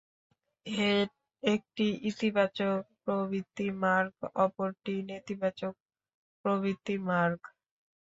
একটি ইতিবাচক প্রবৃত্তিমার্গ, অপরটি নেতিবাচক নিবৃত্তিমার্গ।